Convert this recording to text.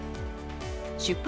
出発